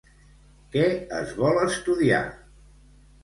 Què es vol estudiar?